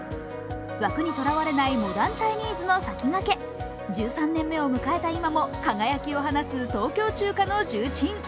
枠にとらわれないフランチャイズニーズの先駆け、１３年目を迎えた今も輝きを放つ東京中華の重鎮。